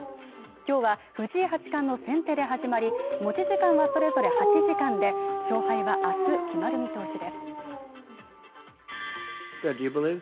今日は藤井八冠の先手で始まり持ち時間はそれぞれ８時間で勝敗はあす決まる見通しです